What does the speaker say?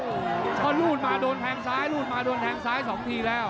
เรื่อยรูดมาโดนแท้งสายโดนแท้งสากสามทีแล้ว